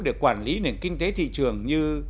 để quản lý nền kinh tế thị trường như